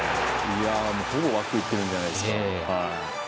ほぼ枠にいってるんじゃないですか。